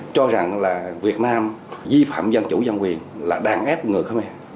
cho rằng là việt nam di phạm dân chủ dân quyền là đàn ép ngược hả mẹ